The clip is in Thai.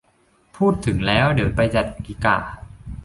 พูดถึงแล้ว เดี๋ยวไปจัดดีก่า